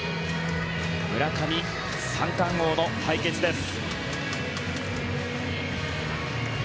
村上、三冠王の対決です。